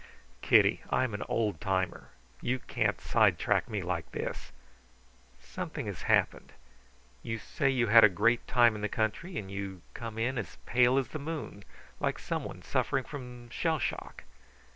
"Kitty, I'm an old timer. You can't sidetrack me like this. Something has happened. You say you had a great time in the country, and you come in as pale as the moon, like someone suffering from shell shock.